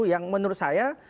yang menurut saya